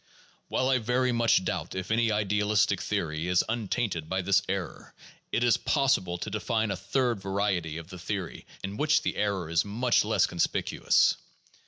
While I very much doubt if any idealistic theory is untainted by this error, it is possible to define a third variety of the theory in which the error is much less conspicuous.